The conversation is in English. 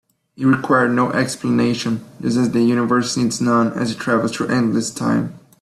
It required no explanation, just as the universe needs none as it travels through endless time.